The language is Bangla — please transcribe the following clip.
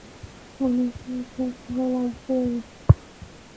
মনে হয় আপনার ভালো লাগবে।